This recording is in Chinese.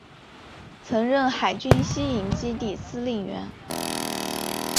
曾任海军西营基地司令员。